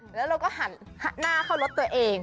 แล้วเราก็หันหน้าเข้ารถตัวเอง